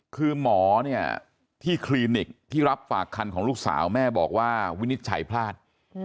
คือหมอเนี่ยที่คลินิกที่รับฝากคันของลูกสาวแม่บอกว่าวินิจฉัยพลาด